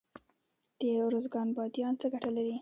د ارزګان بادیان څه ګټه لري؟